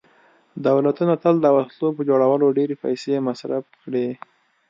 دولتونو تل د وسلو په جوړولو ډېرې پیسې مصرف کړي